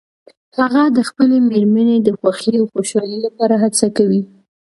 هغه د خپلې مېرمنې د خوښې او خوشحالۍ لپاره هڅه کوي